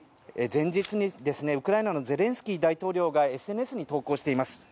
前日にウクライナのゼレンスキー大統領がＳＮＳに投稿しています。